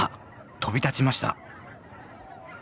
飛び立ちました！